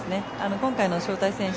今回の招待選手